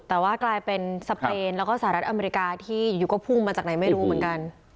สเปนแล้วก็สหรัฐอเมริกาที่อยู่ก็พุ่งมาจากไหนไม่รู้เหมือนกัน